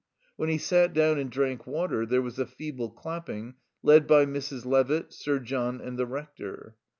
When he sat down and drank water there was a feeble clapping led by Mrs. Levitt, Sir John and the Rector.